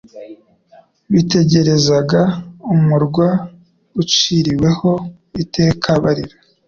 bitegerezaga umurwa uciriweho iteka barira.